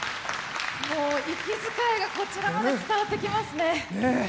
息づかいがこちらまで伝わってきますね。